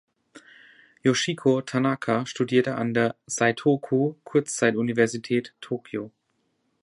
Yoshiko Tanaka studierte an der Seitoku-Kurzzeituniversität Tokio.